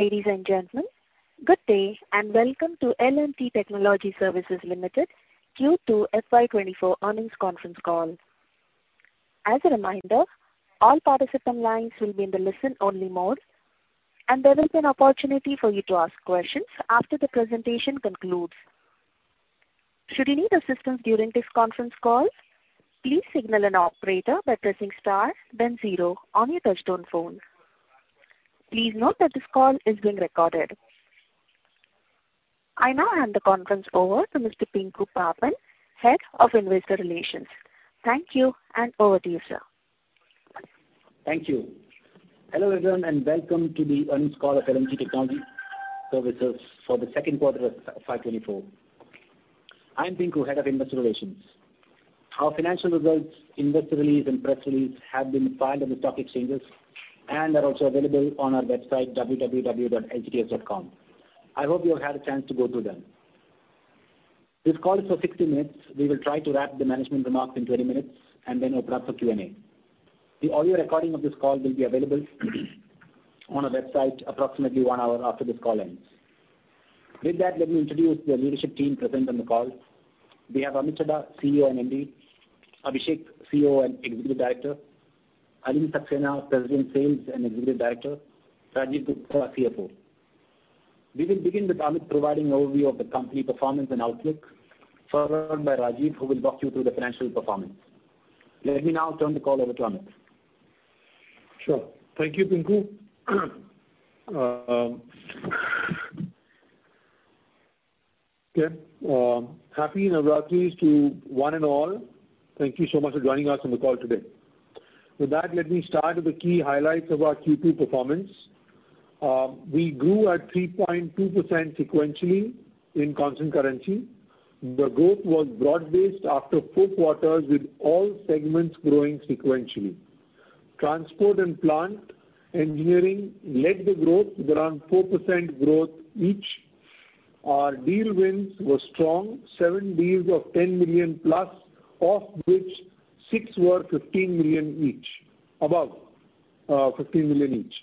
Ladies and gentlemen, good day, and welcome to L&T Technology Services Limited, Q2 FY24 earnings conference call. As a reminder, all participant lines will be in the listen-only mode, and there is an opportunity for you to ask questions after the presentation concludes. Should you need assistance during this conference call, please signal an operator by pressing star then zero on your touchtone phone. Please note that this call is being recorded. I now hand the conference over to Mr. Pinku Pappan, Head of Investor Relations. Thank you, and over to you, sir. Thank you. Hello, everyone, and welcome to the earnings call of L&T Technology Services for the Q2 of FY 2024. I'm Pinku, Head of Investor Relations. Our financial results, investor release, and press release have been filed on the stock exchanges and are also available on our website, www.ltts.com. I hope you have had a chance to go through them. This call is for 60 minutes. We will try to wrap the management remarks in 20 minutes, and then we'll wrap for Q&A. The audio recording of this call will be available on our website approximately 1 hour after this call ends. With that, let me introduce the leadership team present on the call. We have Amit Chadha, CEO and MD; Abhishek, COO and Executive Director; Alind Saxena, President, Sales, and Executive Director; Rajeev Gupta, CFO. We will begin with Amit providing an overview of the company performance and outlook, followed by Rajeev, who will walk you through the financial performance. Let me now turn the call over to Amit. Sure. Thank you, Pinku. Happy Navratri to one and all. Thank you so much for joining us on the call today. With that, let me start with the key highlights of our Q2 performance. We grew at 3.2% sequentially in constant currency. The growth was broad-based after four quarters, with all segments growing sequentially. Transport and Plant Engineering led the growth with around 4% growth each. Our deal wins were strong, seven deals of $10 million+, of which six were $15 million each, above, 15 million each.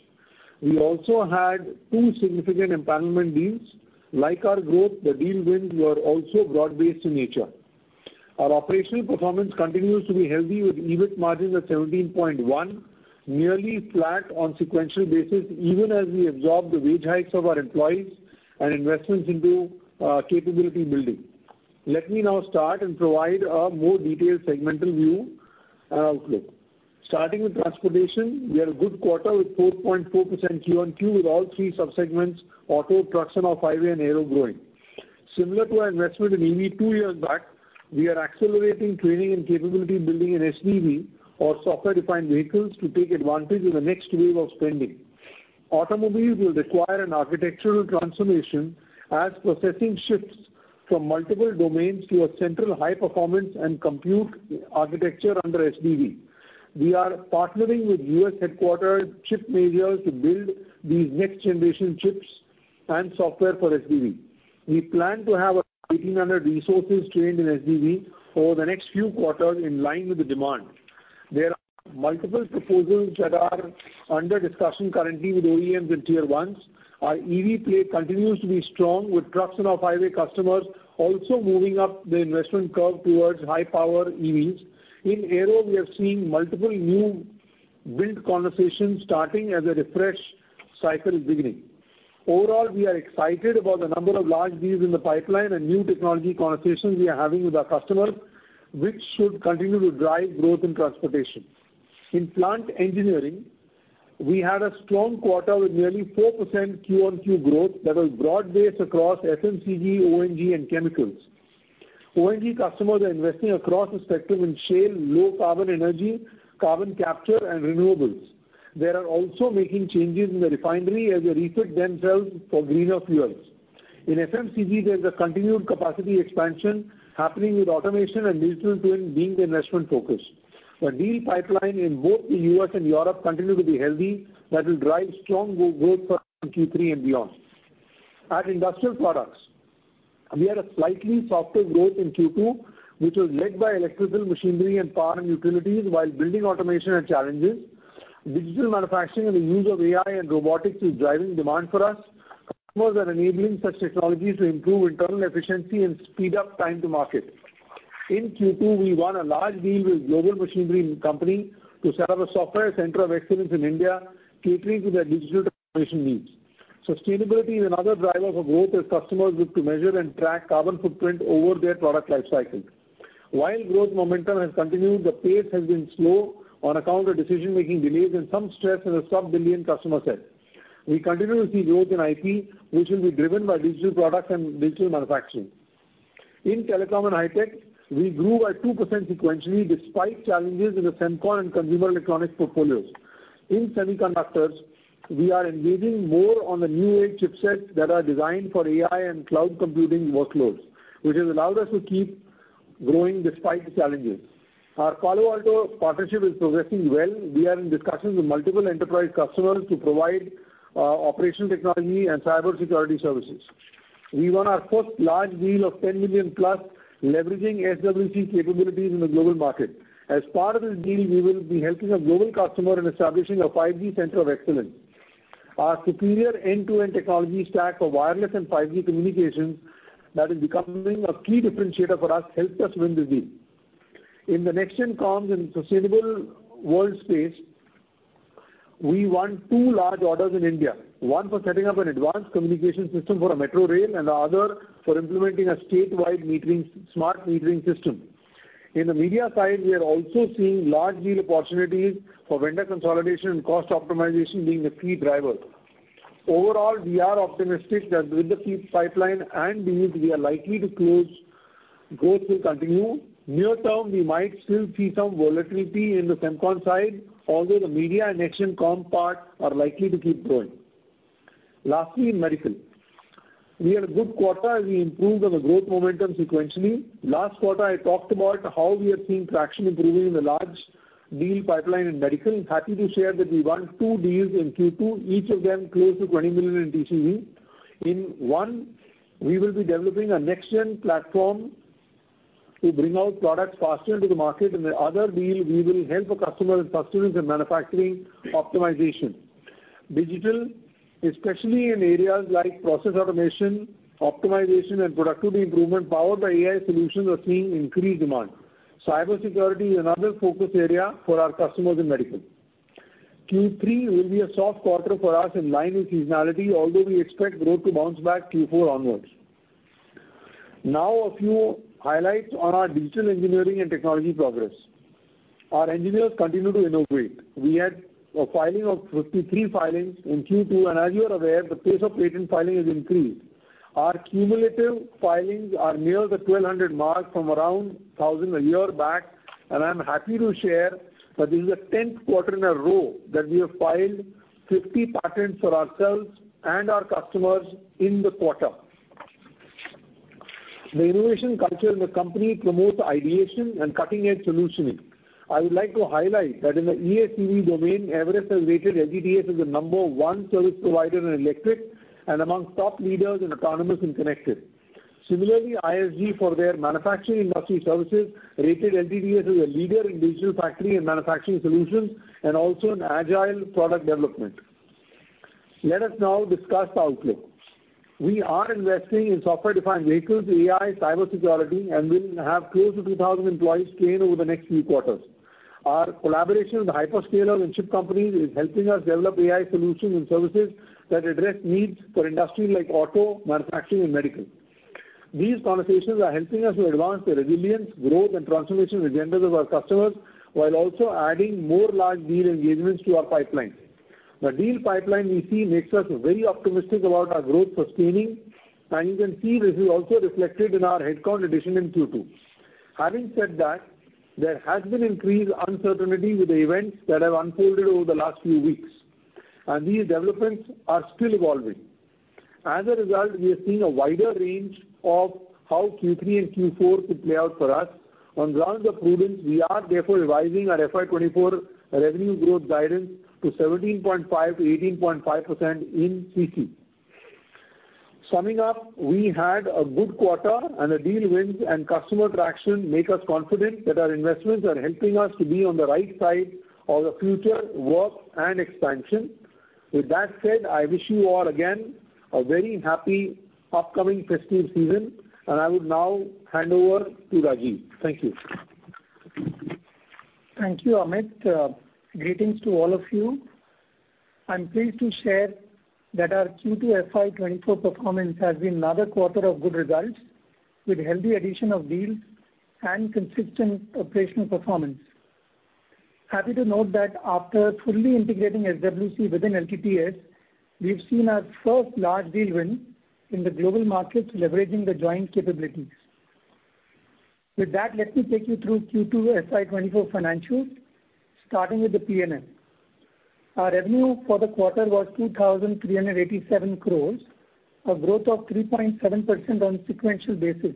We also had two significant empowerment deals. Like our growth, the deal wins were also broad-based in nature. Our operational performance continues to be healthy, with EBIT margins at 17.1, nearly flat on sequential basis, even as we absorb the wage hikes of our employees and investments into, capability building. Let me now start and provide a more detailed segmental view and outlook. Starting with Transportation, we had a good quarter with 4.4% Q-on-Q, with all three subsegments, auto, trucks, and off-highway and aero growing. Similar to our investment in EV two years back, we are accelerating training and capability building in SDV or Software-Defined Vehicles to take advantage of the next wave of spending. Automobiles will require an architectural transformation as processing shifts from multiple domains to a central high performance and compute architecture under SDV. We are partnering with U.S.-headquartered chip makers to build these next-generation chips and software for SDV. We plan to have 1,800 resources trained in SDV over the next few quarters in line with the demand. There are multiple proposals that are under discussion currently with OEMs and Tier 1s. Our EV play continues to be strong, with trucks and off-highway customers also moving up the investment curve towards high-power EVs. In aero, we have seen multiple new build conversations starting as a refresh cycle is beginning. Overall, we are excited about the number of large deals in the pipeline and new technology conversations we are having with our customers, which should continue to drive growth in Transportation. In Plant Engineering, we had a strong quarter with nearly 4% Q-on-Q growth that was broad-based across FMCG, O&G, and chemicals. O&G customers are investing across the spectrum in shale, low carbon energy, carbon capture, and renewables. They are also making changes in the refinery as they refit themselves for greener fuels. In FMCG, there's a continued capacity expansion happening, with automation and digital twin being the investment focus. The deal pipeline in both the U.S. and Europe continues to be healthy. That will drive strong growth for Q3 and beyond. At Industrial Products, we had a slightly softer growth in Q2, which was led by electrical, machinery, and power and utilities, while building automation had challenges. Digital manufacturing and the use of AI and robotics is driving demand for us. Customers are enabling such technologies to improve internal efficiency and speed up time to market. In Q2, we won a large deal with a global machinery company to set up a software center of excellence in India, catering to their digital transformation needs. Sustainability is another driver for growth, as customers look to measure and track carbon footprint over their product life cycle. While growth momentum has continued, the pace has been slow on account of decision-making delays and some stress in the sub-billion customer set. We continue to see growth in IP, which will be driven by digital products and Digital Manufacturing. In Telecom and High Tech, we grew 2% sequentially, despite challenges in the semicon and consumer electronics portfolios. In semiconductors, we are engaging more on the new age chipsets that are designed for AI and cloud computing workloads, which has allowed us to keep growing despite the challenges. Our Palo Alto partnership is progressing well. We are in discussions with multiple enterprise customers to provide operational technology and cybersecurity services. We won our first large deal of $10 million+, leveraging SWC capabilities in the global market. As part of this deal, we will be helping a global customer in establishing a 5G center of excellence. Our superior end-to-end technology stack for wireless and 5G communications that is becoming a key differentiator for us, helped us win this deal. In the NextGen Comms and sustainable world space, we won 2 large orders in India. One for setting up an advanced communication system for a metro rail, and the other for implementing a statewide metering, smart metering system. In the media side, we are also seeing large deal opportunities for vendor consolidation and cost optimization being the key driver. Overall, we are optimistic that with the key pipeline and deals we are likely to close, growth will continue. Near term, we might still see some volatility in the semicon side, although the media and next-gen comm part are likely to keep growing. Lastly, in Medical, we had a good quarter as we improved on the growth momentum sequentially. Last quarter, I talked about how we are seeing traction improving in the large deal pipeline in Medical. Happy to share that we won 2 deals in Q2, each of them close to $20 million in TCV. In one, we will be developing a next-gen platform to bring out products faster to the market. In the other deal, we will help a customer in procurement and manufacturing optimization. Digital, especially in areas like process automation, optimization, and productivity improvement, powered by AI solutions, are seeing increased demand. Cybersecurity is another focus area for our customers in Medical. Q3 will be a soft quarter for us in line with seasonality, although we expect growth to bounce back Q4 onwards. Now, a few highlights on our digital engineering and technology progress. Our engineers continue to innovate. We had a filing of 53 filings in Q2, and as you are aware, the pace of patent filing has increased. Our cumulative filings are near the 1,200 mark from around 1,000 a year back, and I'm happy to share that this is the 10th quarter in a row that we have filed 50 patents for ourselves and our customers in the quarter. The innovation culture in the company promotes ideation and cutting-edge solutioning. I would like to highlight that in the ACES domain, Everest has rated LTTS as the number one service provider in electric and among top leaders in autonomous and connected. Similarly, ISG, for their manufacturing industry services, rated LTTS as a leader in digital factory and manufacturing solutions and also in agile product development. Let us now discuss the outlook. We are investing in software-defined vehicles, AI, cybersecurity, and we'll have close to 2,000 employees trained over the next few quarters. Our collaboration with the hyperscalers and chip companies is helping us develop AI solutions and services that address needs for industries like auto, manufacturing, and Medical. These conversations are helping us to advance the resilience, growth and transformation agendas of our customers, while also adding more large deal engagements to our pipeline. The deal pipeline we see makes us very optimistic about our growth sustaining, and you can see this is also reflected in our headcount addition in Q2. Having said that, there has been increased uncertainty with the events that have unfolded over the last few weeks, and these developments are still evolving. As a result, we are seeing a wider range of how Q3 and Q4 could play out for us. On grounds of prudence, we are therefore revising our FY24 revenue growth guidance to 17.5%-18.5% in CC. Summing up, we had a good quarter, and the deal wins and customer traction make us confident that our investments are helping us to be on the right side of the future work and expansion. With that said, I wish you all again a very happy upcoming festive season, and I would now hand over to Rajeev. Thank you. Thank you, Amit. Greetings to all of you. I'm pleased to share that our Q2 FY 2024 performance has been another quarter of good results, with healthy addition of deals and consistent operational performance. Happy to note that after fully integrating SWC within LTTS, we've seen our first large deal win in the global markets, leveraging the joint capabilities. With that, let me take you through Q2 FY 2024 financials, starting with the P&L. Our revenue for the quarter was 2,387 crores, a growth of 3.7% on sequential basis.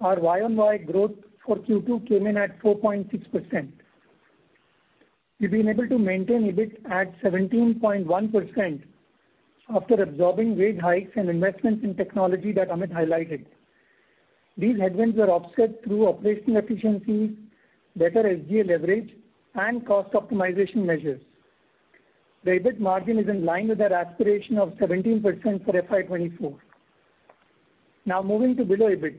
Our Y-o-Y growth for Q2 came in at 4.6%. We've been able to maintain EBIT at 17.1% after absorbing wage hikes and investments in technology that Amit highlighted. These headwinds were offset through operational efficiencies, better SG&A leverage, and cost optimization measures. The EBIT margin is in line with our aspiration of 17% for FY 2024. Now moving to below EBIT,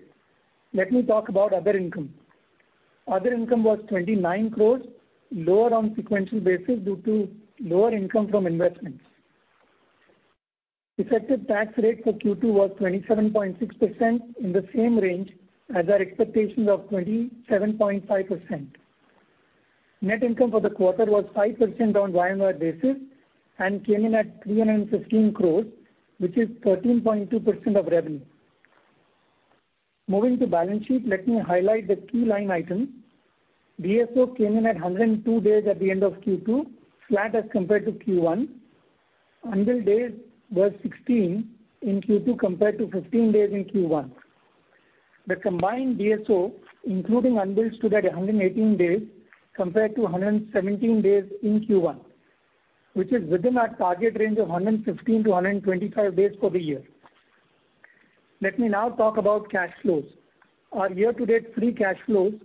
let me talk about other income. Other income was 29 crore, lower on sequential basis due to lower income from investments. Effective tax rate for Q2 was 27.6%, in the same range as our expectations of 27.5%. Net income for the quarter was 5% on Y-o-Y basis and came in at 315 crore, which is 13.2% of revenue. Moving to balance sheet, let me highlight the key line items. DSO came in at 102 days at the end of Q2, flat as compared to Q1. Unrealized days was 16 in Q2, compared to 15 days in Q1. The combined DSO, including unbilled, stood at 118 days compared to 117 days in Q1, which is within our target range of 115-125 days for the year. Let me now talk about cash flows. Our year-to-date free cash flows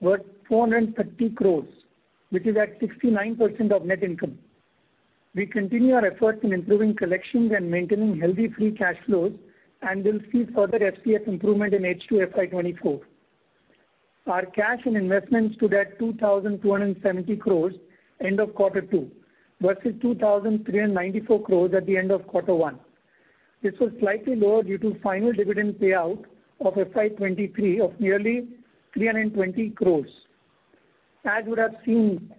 were 430 crores, which is at 69% of net income. We continue our efforts in improving collections and maintaining healthy free cash flows, and we'll see further DSO improvement in H2 FY 2024. Our cash and investments stood at 2,270 crores end of Quarter two, versus 2,394 crores at the end of Quarter one. This was slightly lower due to final dividend payout of FY 2023 of nearly 320 crores. As you would have seen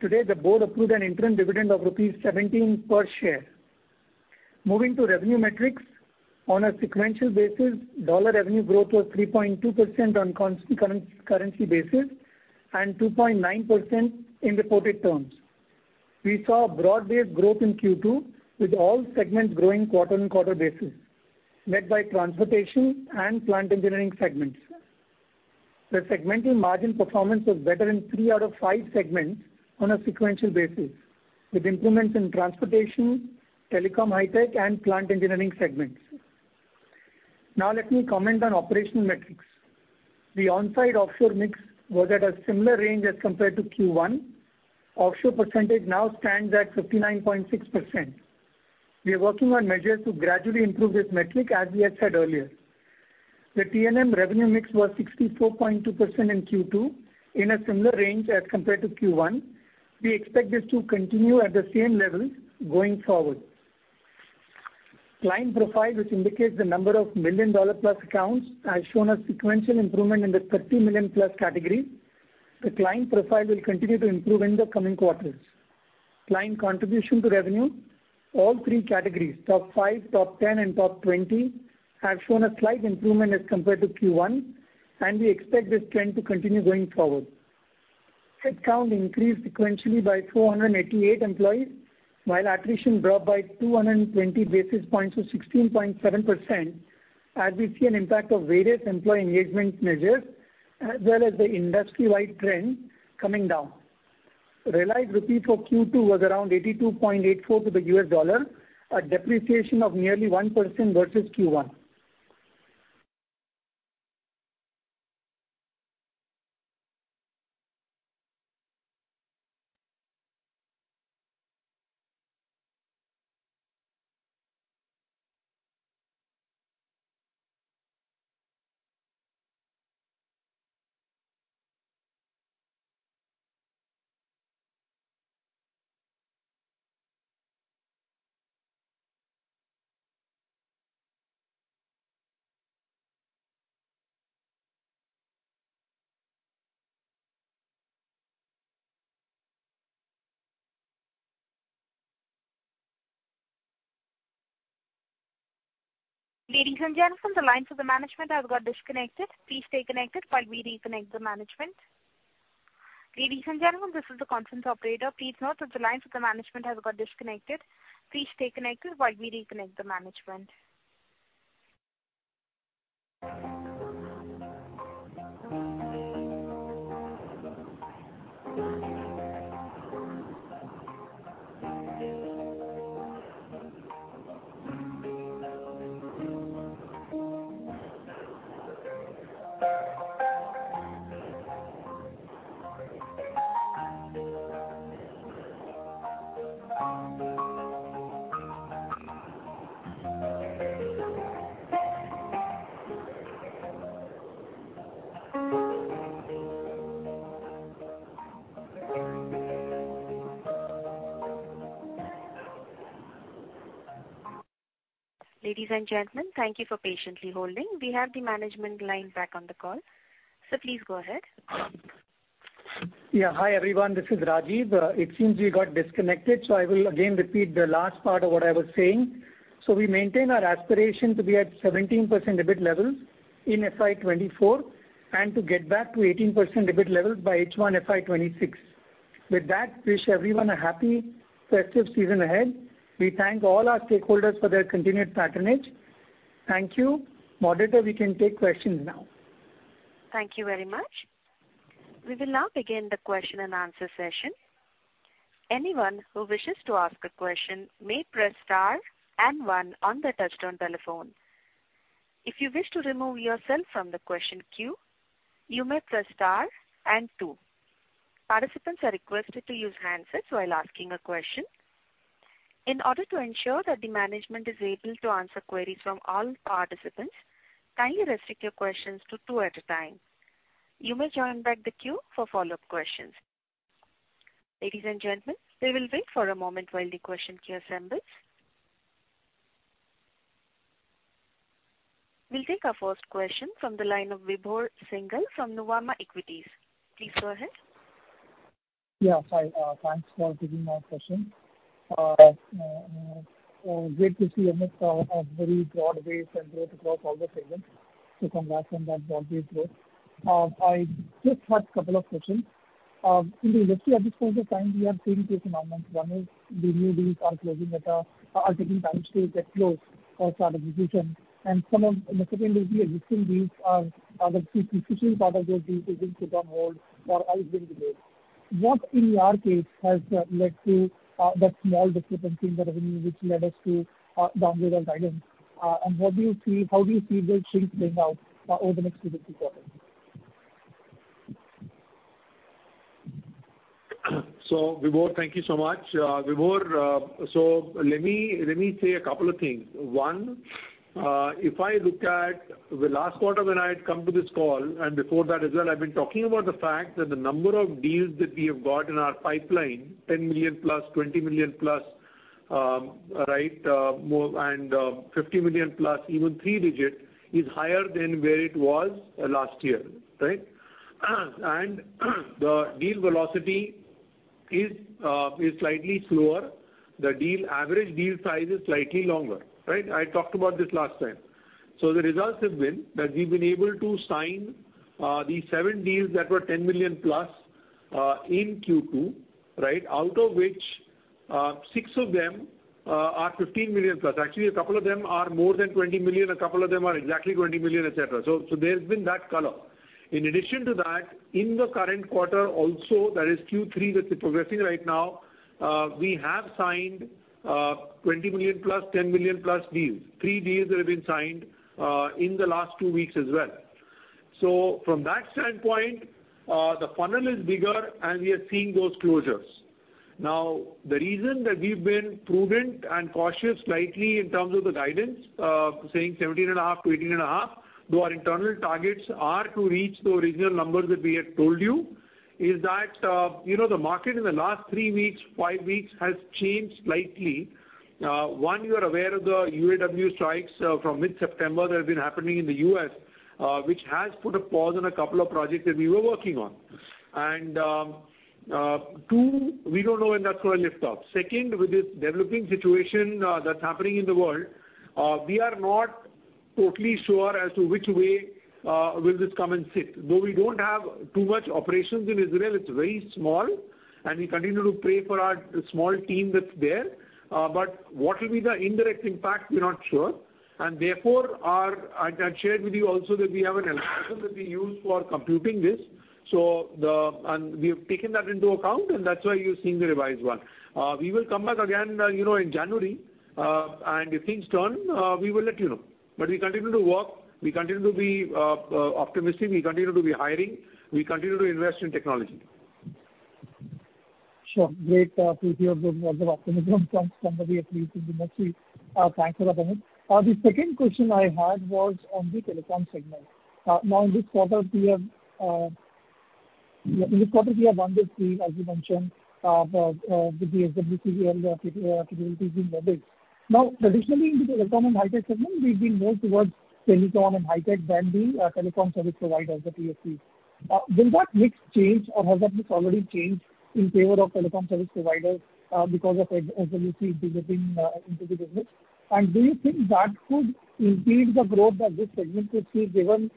today, the board approved an interim dividend of rupees 17 per share. Moving to revenue metrics. On a sequential basis, dollar revenue growth was 3.2% on constant currency basis and 2.9% in reported terms. We saw broad-based growth in Q2, with all segments growing quarter-on-quarter basis, led by Transportation and Plant Engineering segments. The segmental margin performance was better in three out of five segments on a sequential basis, with improvements in Transportation, Telecom, High Tech, and Plant Engineering segments. Now let me comment on operational metrics. The on-site offshore mix was at a similar range as compared to Q1. Offshore percentage now stands at 59.6%. We are working on measures to gradually improve this metric, as we had said earlier. The T&M revenue mix was 64.2% in Q2, in a similar range as compared to Q1. We expect this to continue at the same levels going forward. Client profile, which indicates the number of million-dollar-plus accounts, has shown a sequential improvement in the 30 million-plus category. The client profile will continue to improve in the coming quarters. Client contribution to revenue, all three categories, top 5, top 10, and top 20, have shown a slight improvement as compared to Q1, and we expect this trend to continue going forward. Headcount increased sequentially by 488 employees, while attrition dropped by 220 basis points to 16.7%, as we see an impact of various employee engagement measures, as well as the industry-wide trend coming down. Rupee for Q2 was around 82.84 to the U.S. dollar, a depreciation of nearly 1% versus Q1. Ladies and gentlemen, the line for the management has got disconnected. Please stay connected while we reconnect the management. Ladies and gentlemen, this is the conference operator. Please note that the line for the management has got disconnected. Please stay connected while we reconnect the management. Ladies and gentlemen, thank you for patiently holding. We have the management line back on the call. Sir, please go ahead. Yeah. Hi, everyone, this is Rajeev. It seems we got disconnected, so I will again repeat the last part of what I was saying. So we maintain our aspiration to be at 17% EBIT levels in FY 2024 and to get back to 18% EBIT levels by H1 FY 2026. With that, wish everyone a happy festive season ahead. We thank all our stakeholders for their continued patronage. Thank you. Moderator, we can take questions now. Thank you very much. We will now begin the question-and-answer session. Anyone who wishes to ask a question may press star and one on their touchtone telephone. If you wish to remove yourself from the question queue, you may press star and two. Participants are requested to use handsets while asking a question. In order to ensure that the management is able to answer queries from all participants, kindly restrict your questions to two at a time. You may join back the queue for follow-up questions. Ladies and gentlemen, we will wait for a moment while the question queue assembles. We'll take our first question from the line of Vibhor Singhal from Nuvama Equities. Please go ahead. Yeah, hi, thanks for taking my question. Great to see amidst a very broad-based and growth across all the segments, so congrats on that broad-based growth. I just had a couple of questions. In the industry at this point of time, we are seeing two phenomena. One is the new deals are closing at a, are taking time scale get close or start execution, and some of the second is the existing deals are, are the key critical part of those deals have been put on hold or are being delayed. What in your case has led to that small discrepancy in the revenue, which led us to downgrade our guidance? And what do you see- how do you see this thing playing out over the next few quarters? So, Vibhor, thank you so much. Vibhor, so let me, let me say a couple of things. One, if I look at the last quarter when I had come to this call, and before that as well, I've been talking about the fact that the number of deals that we have got in our pipeline, $10 million+, $20 million+, right, more and $50 million+, even three-digit, is higher than where it was last year, right? The deal velocity is slightly slower. The average deal size is slightly longer, right? I talked about this last time. So the results have been that we've been able to sign the seven deals that were $10 million+ in Q2, right? Out of which, six of them are $15 million+. Actually, a couple of them are more than $20 million, a couple of them are exactly $20 million, et cetera. So, there's been that color. In addition to that, in the current quarter also, that is Q3, that's progressing right now, we have signed $20 million plus, $10 million plus deals. 3 deals that have been signed in the last 2 weeks as well. So from that standpoint, the funnel is bigger, and we are seeing those closures. Now, the reason that we've been prudent and cautious slightly in terms of the guidance, saying 17.5%-18.5%, though our internal targets are to reach the original numbers that we had told you, is that, you know, the market in the last 3 weeks, 5 weeks, has changed slightly. One, you are aware of the UAW strikes from mid-September that have been happening in the U.S., which has put a pause on a couple of projects that we were working on. Two, we don't know when that's going to lift off. Second, with this developing situation that's happening in the world, we are not totally sure as to which way will this come and sit. Though we don't have too much operations in Israel, it's very small, and we continue to pray for our small team that's there. But what will be the indirect impact, we're not sure. And therefore, I shared with you also that we have an analysis that we use for computing this. So and we have taken that into account, and that's why you're seeing the revised one. We will come back again, you know, in January, and if things turn, we will let you know. But we continue to work, we continue to be optimistic, we continue to be hiring, we continue to invest in technology. Sure. Great to hear the optimism from the leadership. Thanks a lot, Amit. The second question I had was on the telecom segment. Now in this quarter, we have won this deal, as you mentioned, the SWC and capabilities in mobile. Now, traditionally, in the telecom and high-tech segment, we've been more towards telecom and high-tech than the telecom service providers, the TSPs. Will that mix change, or has that mix already changed in favor of telecom service providers, because of SWC developing into the business? Do you think that could impede the growth that this segment could see, given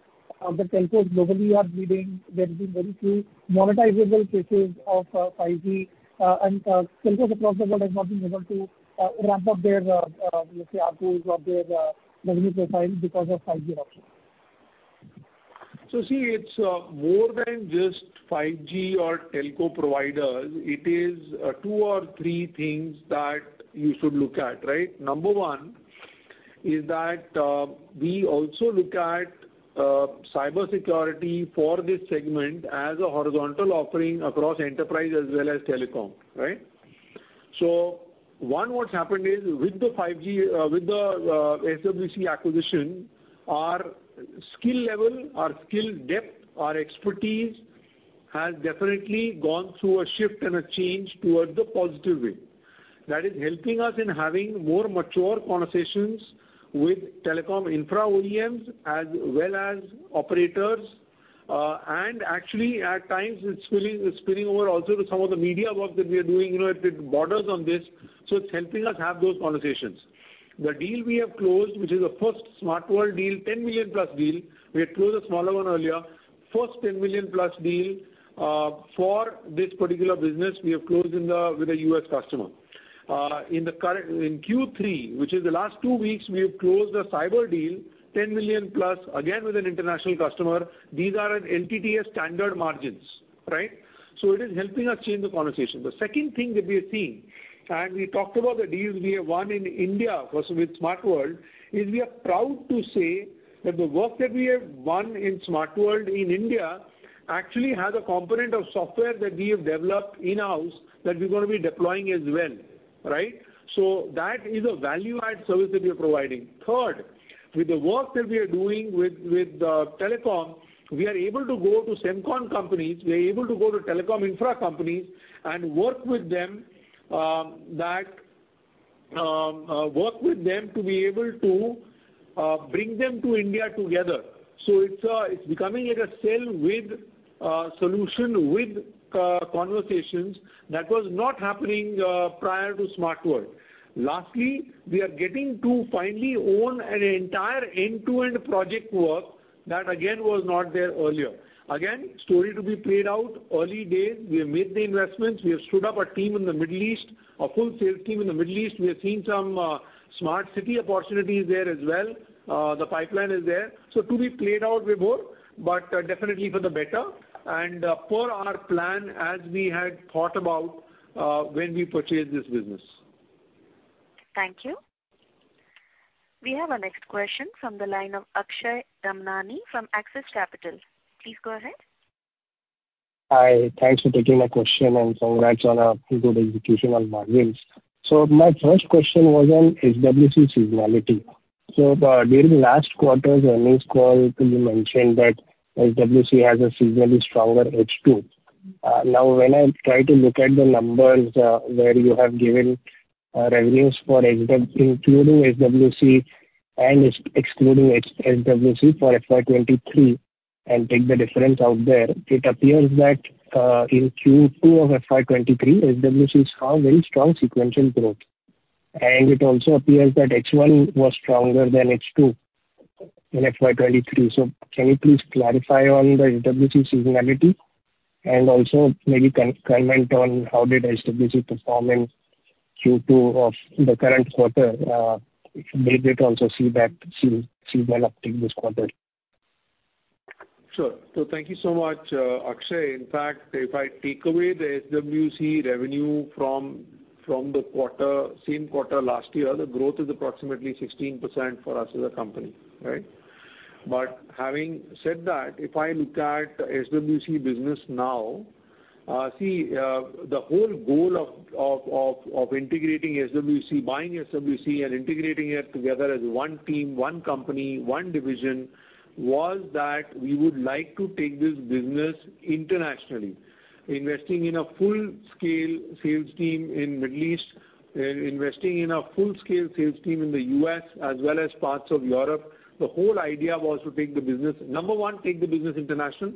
the telcos globally are leading, there have been very few monetizable cases of 5G, and telcos across the world have not been able to ramp up their, let's say, ARPU or their revenue profile because of 5G options? So see, it's more than just 5G or telco providers. It is two or three things that you should look at, right? Number one is that we also look at cybersecurity for this segment as a horizontal offering across enterprise as well as telecom, right? So one, what's happened is with the 5G, with the SWC acquisition, our skill level, our skill depth, our expertise, has definitely gone through a shift and a change towards the positive way. That is helping us in having more mature conversations with telecom infra OEMs as well as operators, and actually, at times, it's spilling, it's spilling over also to some of the media work that we are doing, you know, it borders on this, so it's helping us have those conversations. The deal we have closed, which is the first Smart World deal, $10 million-plus deal, we had closed a smaller one earlier. First $10 million-plus deal, for this particular business, we have closed with a US customer. In Q3, which is the last two weeks, we have closed a cyber deal, $10 million plus, again, with an international customer. These are at standard margins, right? So it is helping us change the conversation. The second thing that we are seeing, and we talked about the deals we have won in India, first with Smart World, is we are proud to say that the work that we have won in Smart World in India actually has a component of software that we have developed in-house that we're gonna be deploying as well, right? So that is a value-add service that we are providing. Third, with the work that we are doing with telecom, we are able to go to semicon companies, we are able to go to telecom infra companies and work with them, that work with them to be able to bring them to India together. So it's becoming like a sale with solution, with conversations that was not happening prior to Smart World. Lastly, we are getting to finally own an entire end-to-end project work that again, was not there earlier. Again, story to be played out, early days. We have made the investments. We have stood up a team in the Middle East, a full sales team in the Middle East. We have seen some smart city opportunities there as well. The pipeline is there. So to be played out with more, but definitely for the better and, per our plan, as we had thought about, when we purchased this business. Thank you. We have our next question from the line of Akshay Ramnani from Axis Capital. Please go ahead. Hi, thanks for taking my question, and congrats on a good execution on margins. So my first question was on SWC seasonality. So, during the last quarter's earnings call, it will be mentioned that SWC has a seasonally stronger H2. Now, when I try to look at the numbers, where you have given revenues for including SWC and excluding SWC for FY 2023, and take the difference out there, it appears that in Q2 of FY 2023, SWC saw very strong sequential growth. And it also appears that H1 was stronger than H2 in FY 2023. So can you please clarify on the SWC seasonality, and also maybe comment on how did SWC perform in Q2 of the current quarter? Did they also see that seasonality developing this quarter? Sure. So thank you so much, Akshay. In fact, if I take away the SWC revenue from the quarter, same quarter last year, the growth is approximately 16% for us as a company, right? But having said that, if I look at SWC business now, the whole goal of integrating SWC, buying SWC and integrating it together as one team, one company, one division, was that we would like to take this business internationally. Investing in a full-scale sales team in Middle East, and investing in a full-scale sales team in the US, as well as parts of Europe. The whole idea was to take the business, number one, take the business international.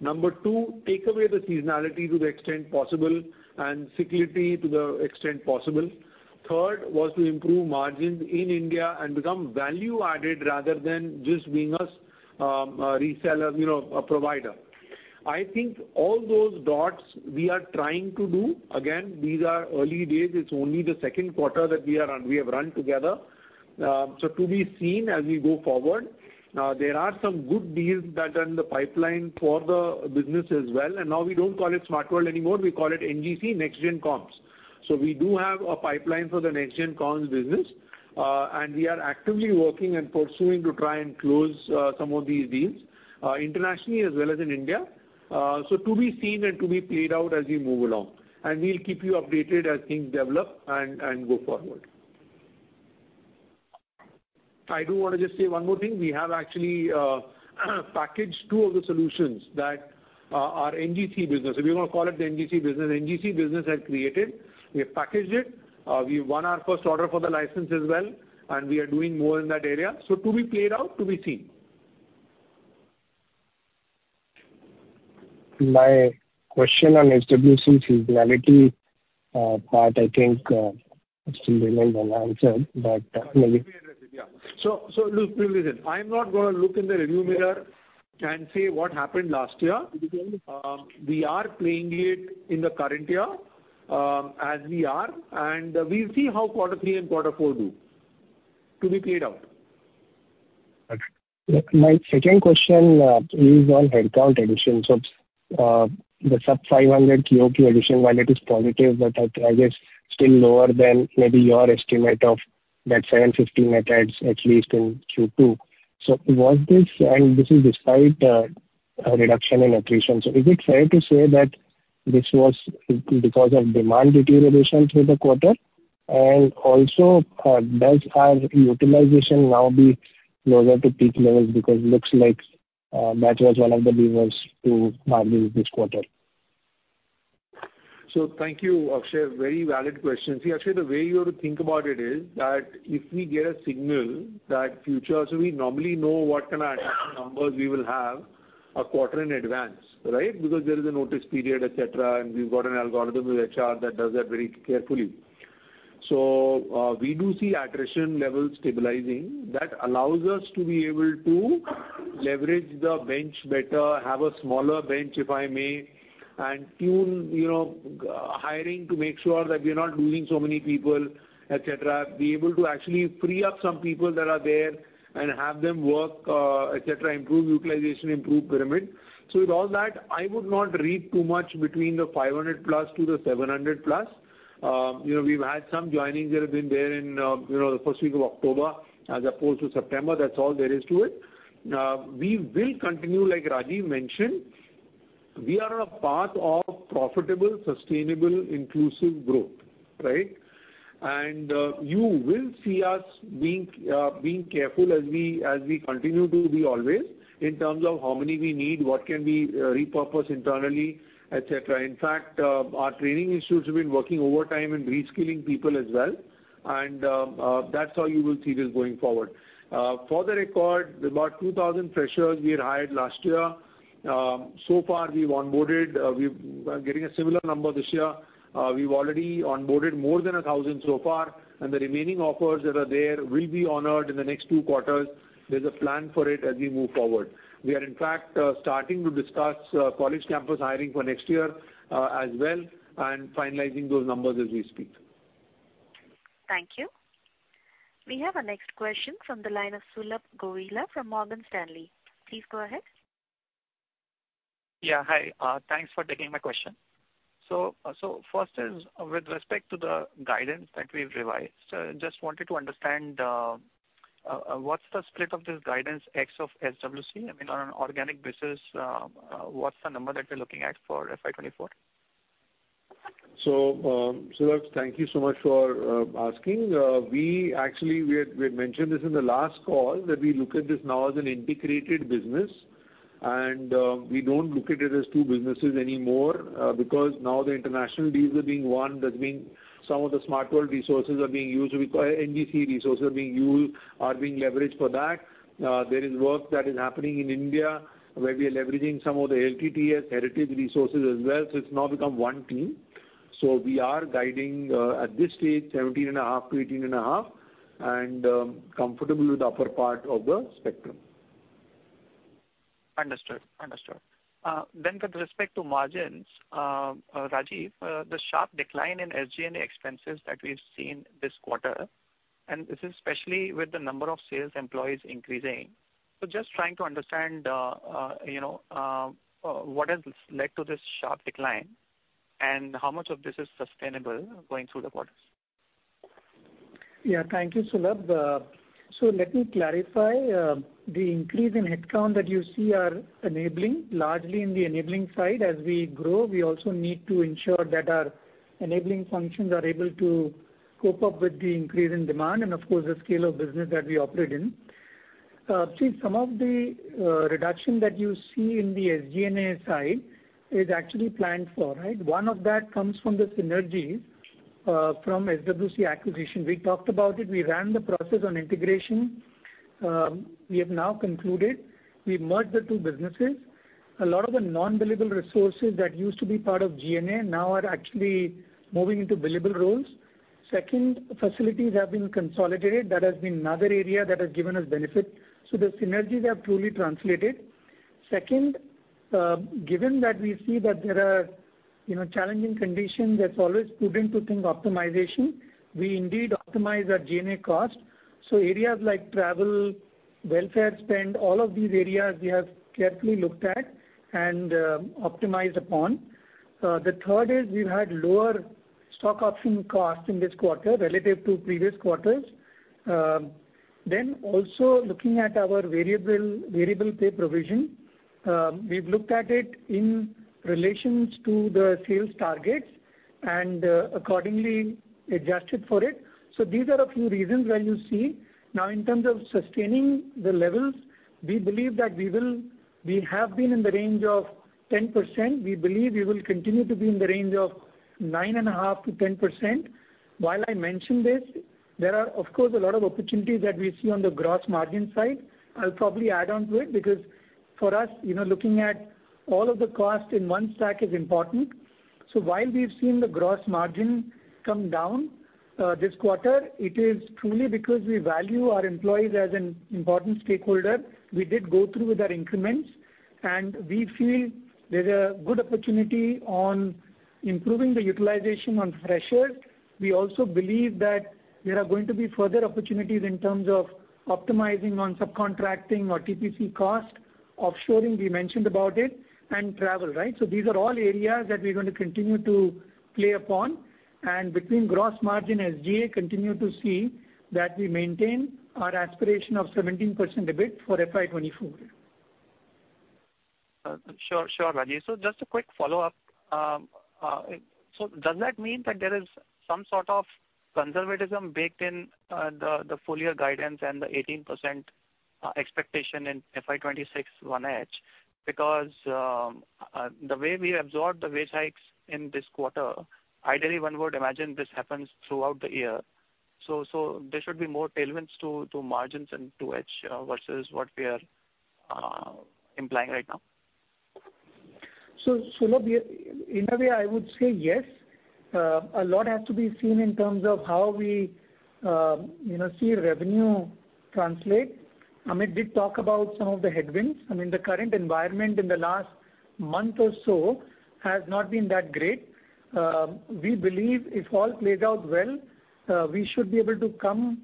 Number two, take away the seasonality to the extent possible and cyclicality to the extent possible. Third, was to improve margins in India and become value-added, rather than just being a reseller, you know, a provider. I think all those dots we are trying to do. Again, these are early days. It's only the Q2 that we have run together. So to be seen as we go forward. There are some good deals that are in the pipeline for the business as well, and now we don't call it Smart World anymore, we call it NGC, NextGen Comms. So we do have a pipeline for the NextGen Comms business, and we are actively working and pursuing to try and close some of these deals internationally as well as in India. So to be seen and to be played out as we move along. And we'll keep you updated as things develop and go forward. I do want to just say one more thing: We have actually packaged two of the solutions that are NGC business. If you want to call it the NGC business. NGC business has created, we have packaged it, we won our first order for the license as well, and we are doing more in that area. So to be played out, to be seen. My question on SWC seasonality, part, I think, still remains unanswered, but- Yes, let me address it, yeah. So, so look, please listen. I'm not going to look in the rearview mirror and say what happened last year. We are playing it in the current year, as we are, and we'll see how quarter three and quarter four do. To be played out. My second question is on headcount addition. So, the sub-500 QOQ addition, while it is positive, but I guess still lower than maybe your estimate of that 750 net adds, at least in Q2. So was this? And this is despite a reduction in attrition. So is it fair to say that this was because of demand deterioration through the quarter? And also, does our utilization now be lower to peak levels? Because it looks like that was one of the drivers to margins this quarter. So thank you, Akshay. Very valid questions. See, Akshay, the way you have to think about it is, that if we get a signal that future... So we normally know what kind of attrition- -numbers we will have a quarter in advance, right? Because there is a notice period, et cetera, and we've got an algorithm with HR that does that very carefully. So, we do see attrition levels stabilizing. That allows us to be able to leverage the bench better, have a smaller bench, if I may, and tune, you know, hiring, to make sure that we are not losing so many people, et cetera. Be able to actually free up some people that are there and have them work, et cetera, improve utilization, improve pyramid. So with all that, I would not read too much between the 500+ to the 700+. You know, we've had some joinings that have been there in, you know, the first week of October as opposed to September. That's all there is to it. We will continue, like Rajeev mentioned, we are on a path of profitable, sustainable, inclusive growth, right? You will see us being careful as we continue to be always in terms of how many we need, what can we repurpose internally, et cetera. In fact, our training institutes have been working overtime in reskilling people as well, and that's how you will see this going forward. For the record, about 2,000 freshers we had hired last year. So far we've onboarded, we're getting a similar number this year. We've already onboarded more than 1,000 so far, and the remaining offers that are there will be honored in the next two quarters. There's a plan for it as we move forward. We are in fact, starting to discuss, college campus hiring for next year, as well, and finalizing those numbers as we speak. Thank you. We have our next question from the line of Sulabh Govila from Morgan Stanley. Please go ahead. Yeah, hi. Thanks for taking my question. So, first is with respect to the guidance that we've revised, just wanted to understand, what's the split of this guidance ex of SWC? I mean, on an organic basis, what's the number that we're looking at for FY 2024? So, Sulabh, thank you so much for asking. We actually, we had, we had mentioned this in the last call, that we look at this now as an integrated business, and, we don't look at it as two businesses anymore, because now the international deals are being won. That means some of the Smart World resources are being used, NGC resources are being used, are being leveraged for that. There is work that is happening in India, where we are leveraging some of the LTTS heritage resources as well. So it's now become one team. So we are guiding, at this stage, 17.5-18.5, and, comfortable with the upper part of the spectrum. Understood. Understood. Then with respect to margins, Rajeev, the sharp decline in SG&A expenses that we've seen this quarter, and this is especially with the number of sales employees increasing. So just trying to understand, you know, what has led to this sharp decline, and how much of this is sustainable going through the quarters? Yeah, thank you, Sulabh. So let me clarify, the increase in headcount that you see are enabling, largely in the enabling side. As we grow, we also need to ensure that our enabling functions are able to cope up with the increase in demand and, of course, the scale of business that we operate in. See, some of the reduction that you see in the SG&A side is actually planned for, right? One of that comes from the synergies from SWC acquisition. We talked about it, we ran the process on integration. We have now concluded. We've merged the two businesses. A lot of the non-billable resources that used to be part of GNA now are actually moving into billable roles. Second, facilities have been consolidated. That has been another area that has given us benefit, so the synergies have truly translated. Second, given that we see that there are, you know, challenging conditions, that's always prudent to think optimization. We indeed optimize our SG&A costs. So areas like travel, welfare spend, all of these areas we have carefully looked at and optimized upon. The third is we've had lower stock option costs in this quarter relative to previous quarters. Then also looking at our variable, variable pay provision, we've looked at it in relations to the sales targets and accordingly adjusted for it. So these are a few reasons why you see. Now, in terms of sustaining the levels, we believe that we will, we have been in the range of 10%. We believe we will continue to be in the range of 9.5%-10%. While I mention this, there are, of course, a lot of opportunities that we see on the gross margin side. I'll probably add on to it, because for us, you know, looking at all of the costs in one stack is important. So while we've seen the gross margin come down, this quarter, it is truly because we value our employees as an important stakeholder. We did go through with our increments, and we feel there's a good opportunity on improving the utilization on freshers. We also believe that there are going to be further opportunities in terms of optimizing on subcontracting or TPC cost. Offshoring, we mentioned about it, and travel, right? So these are all areas that we're going to continue to play upon. And between gross margin, SG&A continue to see that we maintain our aspiration of 17% EBIT for FY 2024. Sure, sure, Rajeev. So just a quick follow-up. So does that mean that there is some sort of conservatism baked in the full year guidance and the 18% expectation in FY 2026 1H? Because the way we absorb the wage hikes in this quarter, ideally, one would imagine this happens throughout the year. So there should be more tailwinds to margins and to EBIT versus what we are implying right now. So, Sulabh, we, in a way, I would say yes. A lot has to be seen in terms of how we, you know, see revenue translate. Amit did talk about some of the headwinds. I mean, the current environment in the last month or so has not been that great. We believe if all plays out well, we should be able to come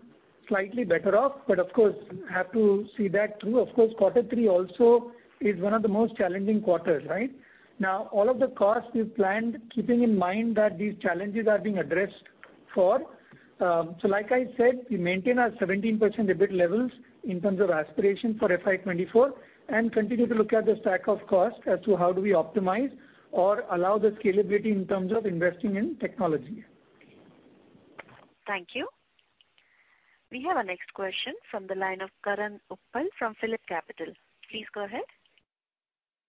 slightly better off, but of course, have to see that through. Of course, quarter three also is one of the most challenging quarters, right? Now, all of the costs we've planned, keeping in mind that these challenges are being addressed for. So, like I said, we maintain our 17% EBIT levels in terms of aspiration for FY 2024, and continue to look at the stack of costs as to how do we optimize or allow the scalability in terms of investing in technology. Thank you. We have our next question from the line of Karan Uppal from PhillipCapital. Please go ahead.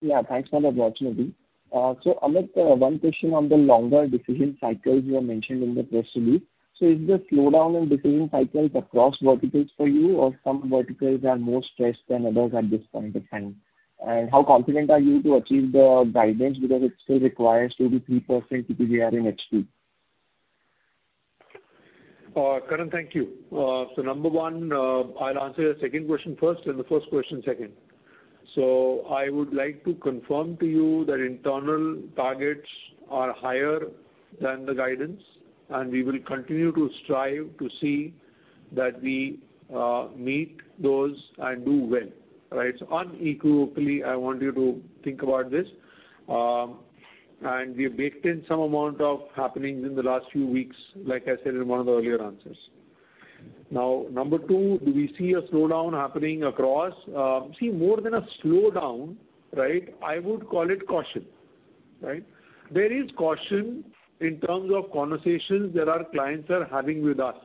Yeah, thanks for the opportunity. So Amit, one question on the longer decision cycles you have mentioned in the press release. So is the slowdown in decision cycles across verticals for you, or some verticals are more stressed than others at this point in time? And how confident are you to achieve the guidance, because it still requires 2%-3% CQGR in H2?... Karan, thank you. So number one, I'll answer the second question first, and the first question second. So I would like to confirm to you that internal targets are higher than the guidance, and we will continue to strive to see that we meet those and do well, right? So unequivocally, I want you to think about this. And we have baked in some amount of happenings in the last few weeks, like I said in one of the earlier answers. Now, number two, do we see a slowdown happening across? See, more than a slowdown, right, I would call it caution, right? There is caution in terms of conversations that our clients are having with us.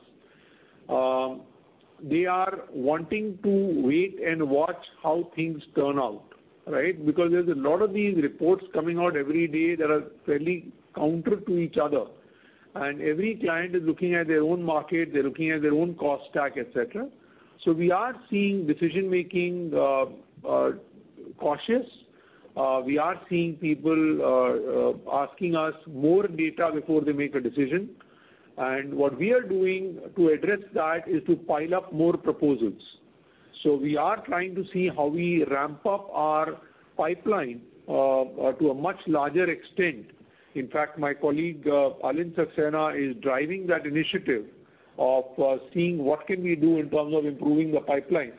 They are wanting to wait and watch how things turn out, right? Because there's a lot of these reports coming out every day that are fairly counter to each other. And every client is looking at their own market, they're looking at their own cost stack, et cetera. So we are seeing decision-making cautious. We are seeing people asking us more data before they make a decision. And what we are doing to address that is to pile up more proposals. So we are trying to see how we ramp up our pipeline to a much larger extent. In fact, my colleague Alind Saxena is driving that initiative of seeing what can we do in terms of improving the pipeline.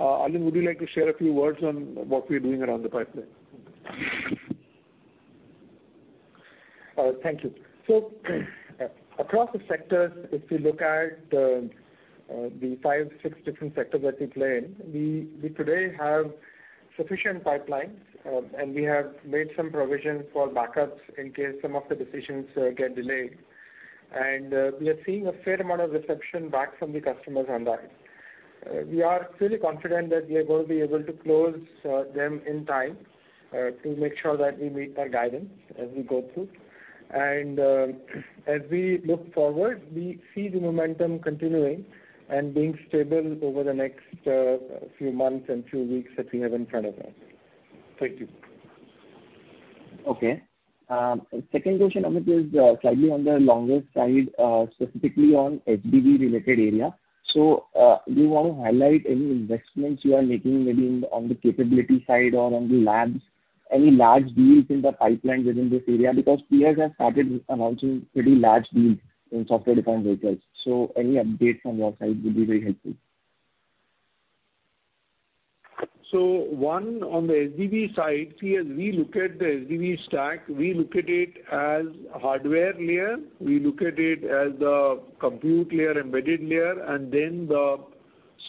Alind, would you like to share a few words on what we're doing around the pipeline? Thank you. So across the sectors, if you look at the five, six different sectors that we play in, we today have sufficient pipelines, and we have made some provisions for backups in case some of the decisions get delayed. We are seeing a fair amount of reception back from the customers on that. We are fairly confident that we are going to be able to close them in time to make sure that we meet our guidance as we go through. As we look forward, we see the momentum continuing and being stable over the next few months and few weeks that we have in front of us. Thank you. Okay. Second question, Amit, is slightly on the longer side, specifically on SDV related area. So, do you want to highlight any investments you are making maybe on the capability side or on the labs, any large deals in the pipeline within this area? Because peers have started announcing pretty large deals in software-defined vehicles. So any update from your side will be very helpful. So one, on the HPC side, as we look at the HPC stack, we look at it as a hardware layer. We look at it as the compute layer, embedded layer, and then the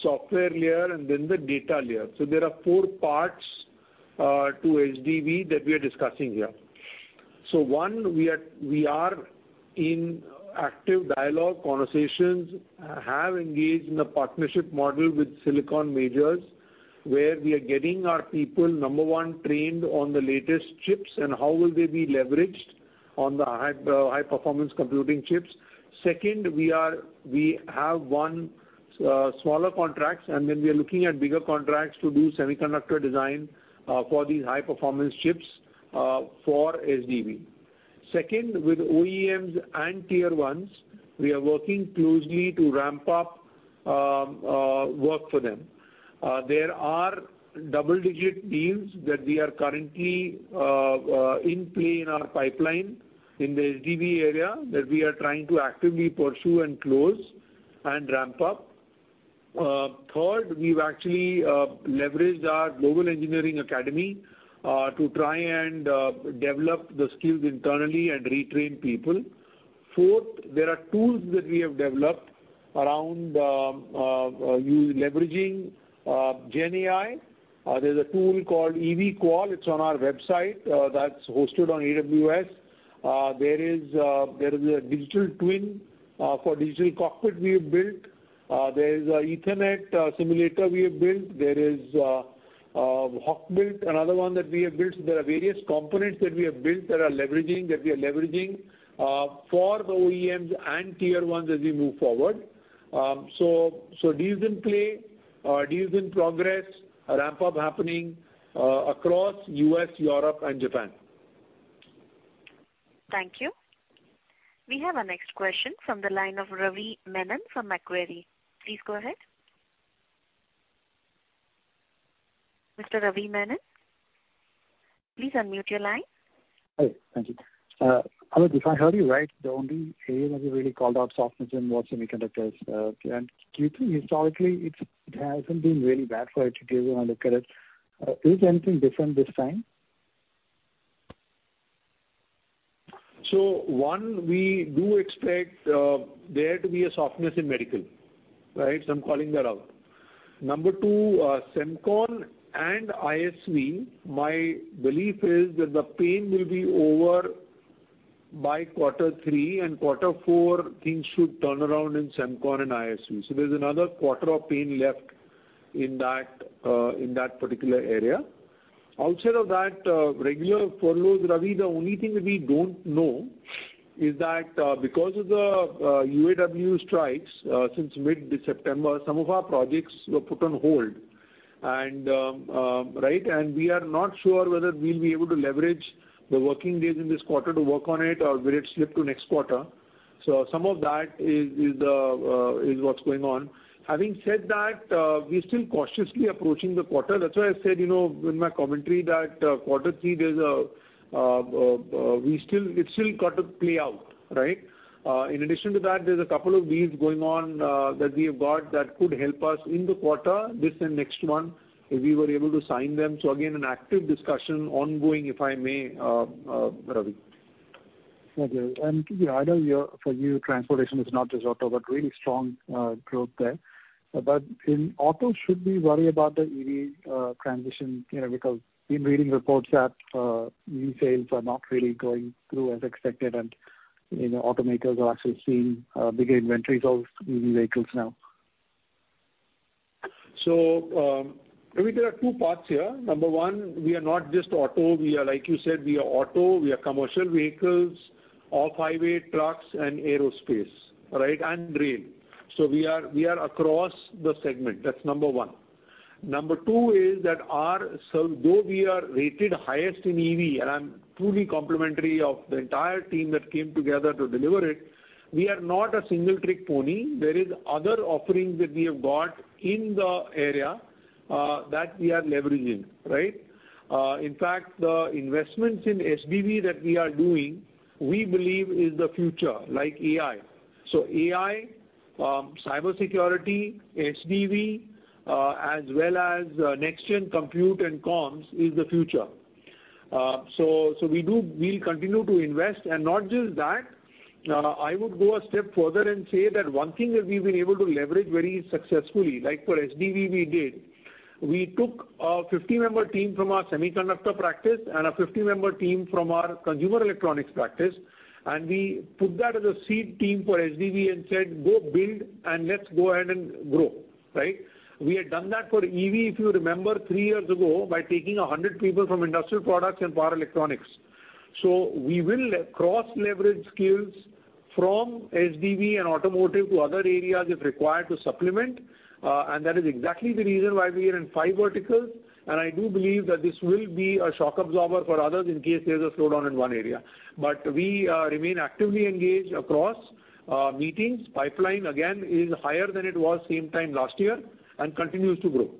software layer, and then the data layer. So there are four parts to HPC that we are discussing here. So one, we are in active dialogue conversations, have engaged in a partnership model with silicon majors, where we are getting our people, number one, trained on the latest chips and how they will be leveraged on the high-performance computing chips. Second, we have won smaller contracts, and then we are looking at bigger contracts to do semiconductor design for these high-performance chips for HPC. Second, with OEMs and Tier 1s, we are working closely to ramp up work for them. There are double-digit deals that we are currently in play in our pipeline in the SDV area, that we are trying to actively pursue and close and ramp up. Third, we've actually leveraged our Global Engineering Academy to try and develop the skills internally and retrain people. Fourth, there are tools that we have developed around leveraging GenAI. There's a tool called EVQual, it's on our website, that's hosted on AWS. There is a digital twin for digital cockpit we have built. There is a Ethernet simulator we have built. There is Hawkbit, another one that we have built. There are various components that we have built that are leveraging, that we are leveraging for the OEMs and Tier 1s as we move forward. So, deals in play, deals in progress, a ramp-up happening across U.S., Europe, and Japan. Thank you. We have our next question from the line of Ravi Menon from Macquarie. Please go ahead. Mr. Ravi Menon, please unmute your line. Hi, thank you. Amit, if I heard you right, the only area that you really called out softness in was semiconductors. And historically, it hasn't been really bad for HCL when I look at it. Is anything different this time? So, 1, we do expect there to be a softness in Medical, right? So I'm calling that out. Number 2, semicon and ISV, my belief is that the pain will be over by quarter 3, and quarter 4, things should turn around in semicon and ISV. So there's another quarter of pain left in that, in that particular area. Outside of that, regular furloughs, Ravi, the only thing we don't know is that, because of the UAW strikes since mid-September, some of our projects were put on hold. And, right, and we are not sure whether we'll be able to leverage the working days in this quarter to work on it or will it slip to next quarter. So some of that is what's going on. Having said that, we're still cautiously approaching the quarter. That's why I said, you know, in my commentary that quarter three, there's a, it's still got to play out, right? In addition to that, there's a couple of deals going on that we have got that could help us in the quarter, this and next one, if we were able to sign them. So again, an active discussion ongoing, if I may, Ravi. Okay. And to be ideal here for you, Transportation is not just auto, but really strong, growth there. But in auto, should we worry about the EV, transition? You know, because we've been reading reports that, new sales are not really going through as expected, and, you know, automakers are actually seeing, bigger inventories of EV vehicles now. So, I mean, there are 2 parts here. Number 1, we are not just auto. We are like you said, we are auto, we are commercial vehicles, off-highway trucks and aerospace, right? And rail. So we are, we are across the segment. That's number 1. Number 2 is that our, so though we are rated highest in EV, and I'm truly complimentary of the entire team that came together to deliver it, we are not a single-trick pony. There is other offerings that we have got in the area, that we are leveraging, right? In fact, the investments in SDV that we are doing, we believe is the future, like AI. So AI, cybersecurity, SDV, as well as, next-gen compute and comms is the future. So, we'll continue to invest. And not just that, I would go a step further and say that one thing that we've been able to leverage very successfully, like for SDV, we did. We took a 50-member team from our semiconductor practice and a 50-member team from our consumer electronics practice, and we put that as a seed team for SDV and said, "Go build, and let's go ahead and grow," right? We had done that for EV, if you remember, 3 years ago, by taking 100 people from Industrial Products and power electronics. So we will cross-leverage skills from SDV and Automotive to other areas, if required, to supplement. And that is exactly the reason why we are in 5 verticals, and I do believe that this will be a shock absorber for others in case there's a slowdown in one area. But we remain actively engaged across meetings. Pipeline, again, is higher than it was same time last year and continues to grow.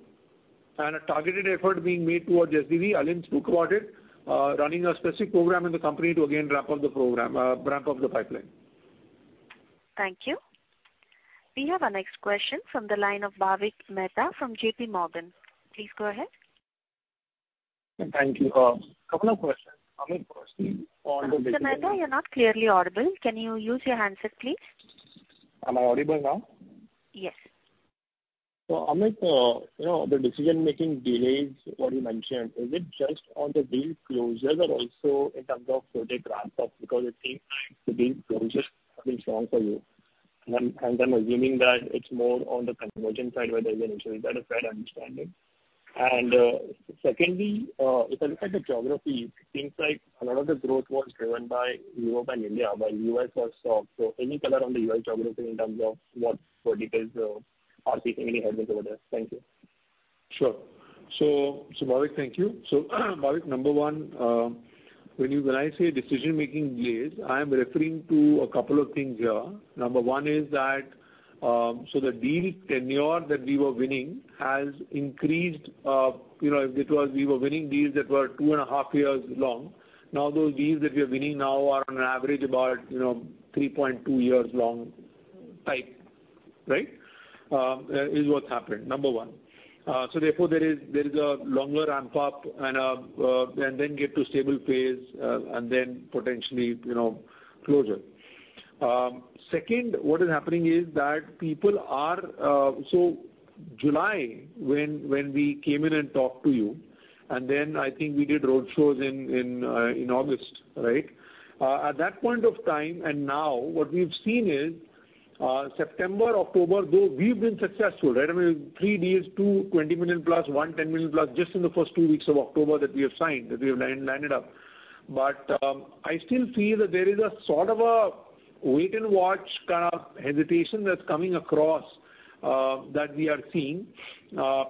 And a targeted effort being made towards SDV. Alind took over it, running a specific program in the company to again ramp up the program, ramp up the pipeline. Thank you. We have our next question from the line of Bhavik Mehta from JP Morgan. Please go ahead. Thank you. Couple of questions. Amit first- Mr. Mehta, you're not clearly audible. Can you use your handset, please? Am I audible now? Yes. So, Amit, you know, the decision-making delays, what you mentioned, is it just on the deal closures or also in terms of further ramp up? Because it seems like the deal closures have been strong for you. And I'm assuming that it's more on the conversion side, where there's an issue. Is that a fair understanding? And, secondly, if I look at the geography, it seems like a lot of the growth was driven by Europe and India, while U.S. was soft. So any color on the U.S. geography in terms of what details are you seeing any headwinds over there? Thank you. Sure. So, Bhavik, thank you. So, Bhavik, number one, when you—when I say decision-making delays, I am referring to a couple of things here. Number one is that, so the deal tenure that we were winning has increased. You know, it was we were winning deals that were 2.5 years long. Now, those deals that we are winning now are on average about, you know, 3.2 years long type, right? Is what's happened, number one. So therefore, there is, there is a longer ramp-up and, and then get to stable phase, and then potentially, you know, closure. Second, what is happening is that people are... So July, when, when we came in and talked to you, and then I think we did roadshows in, in, in August, right? At that point of time and now, what we've seen is, September, October, though we've been successful, right? I mean, 3 deals, two, $20 million plus, one, $10 million plus, just in the first 2 weeks of October that we have signed, that we have landed up. But, I still feel that there is a sort of a wait-and-watch kind of hesitation that's coming across, that we are seeing.